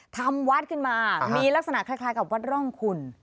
ทำวัดขึ้นมามีลักษณะคล้ายกับวัดร่องคุณ